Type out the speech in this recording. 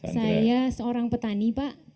saya seorang petani pak